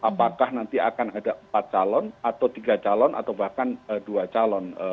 apakah nanti akan ada empat calon atau tiga calon atau bahkan dua calon